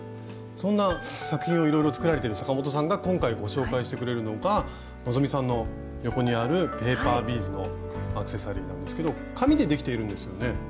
そんな作品をいろいろ作られているサカモトさんが今回ご紹介してくれるのが希さんの横にあるペーパービーズのアクセサリーなんですけど紙でできているんですよね？